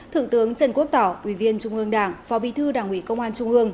thượng tướng trần quốc tảo uy viên trung ương đảng phó bi thư đảng ủy công an trung ương